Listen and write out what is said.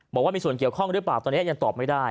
บอกว่ามีส่วนเกี่ยวข้องหรือเปล่าตอนนี้ยังตอบไม่ได้